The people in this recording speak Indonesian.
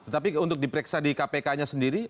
tapi untuk diperiksa di kpk nya sendiri